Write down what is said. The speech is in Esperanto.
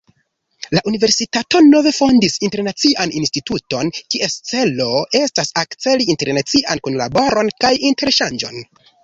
La universitato nove fondis Internacian Instituton, kies celo estas akceli internacian kunlaboron kaj interŝanĝon.